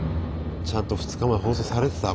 ちゃんと２日前放送されてた？